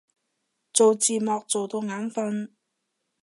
做字幕做到眼憤